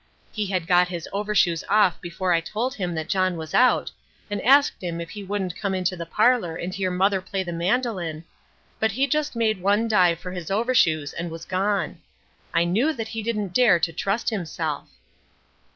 He had got his overshoes off before I told him that John was out, and asked him if he wouldn't come into the parlour and hear Mother play the mandoline, but he just made one dive for his overshoes and was gone. I knew that he didn't dare to trust himself.